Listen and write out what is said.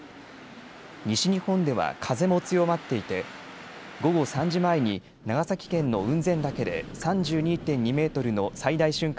西日本では風も強まっていて午後３時前に長崎県の雲仙岳で３２．２メートルの最大瞬間